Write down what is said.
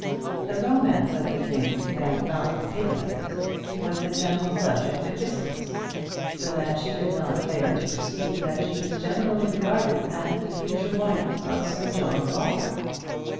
The romance of the thing, and not the pity of it, was the general subject of discourse, so that she could not fail to perceive that she was generally regarded as the future wife of Sir John Ball.